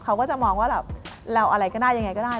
เขาก็จะมองว่าแบบเราอะไรก็ได้ยังไงก็ได้